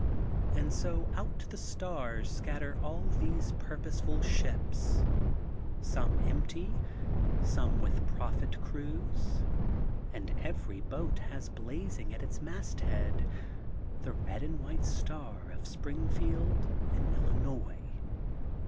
And so out to the stars scatter ^ all these purposeful ships, some empty, some with prophet crews, and every boat has blaz ing at its masthead the red and white star of Springfield and Illinoia.